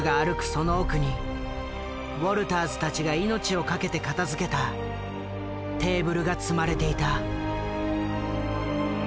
その奧にウォルターズたちが命を懸けて片づけたテーブルが積まれていた。